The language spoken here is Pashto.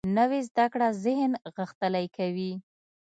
نوې زده کړه ذهن غښتلی کوي